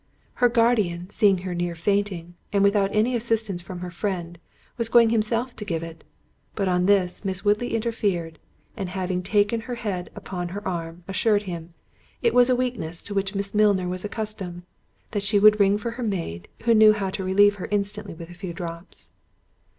Her guardian seeing her near fainting, and without any assistance from her friend, was going himself to give it; but on this, Miss Woodley interfered, and having taken her head upon her arm, assured him, "It was a weakness to which Miss Milner was accustomed: that she would ring for her maid, who knew how to relieve her instantly with a few drops."